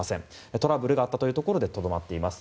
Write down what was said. トラブルがあったというところでとどまっています。